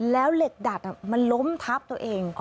แล้วเหล็กดัดมันล้มทับตัวเอง